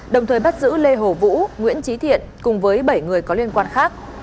đồng thời bắt giữ lê hồ vũ nguyễn trí thiện cùng với bảy người có liên quan khác